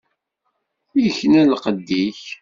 Ikna lqedd-ik.